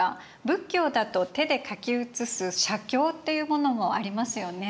仏教だと手で書き写す写経っていうものもありますよね？